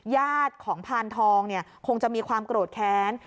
ญาติของพานทองเนี่ยคงจะมีความโกรธแค้น